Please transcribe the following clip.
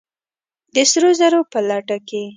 د سرو زرو په لټه کې!